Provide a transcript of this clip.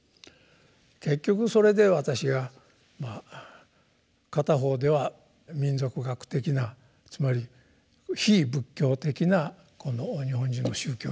結局それで私は片方では民俗学的なつまり非仏教的な日本人の宗教心ですね